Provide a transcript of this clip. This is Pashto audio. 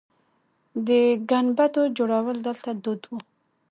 د ګنبدو جوړول دلته دود و